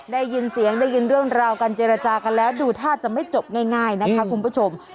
ได้ยินเสียงได้ยินเรื่องราวการเจรจากันแล้วดูท่าจะไม่จบง่ายนะคะคุณผู้ชม